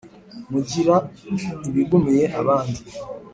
mugira ibigumiye abandi